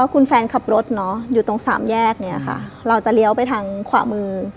คุณแฟนขับรถอยู่ตรงสามแยกเราจะเลี่ยวไปทางขวามือ